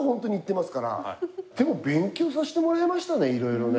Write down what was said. でも勉強させてもらいましたねいろいろね。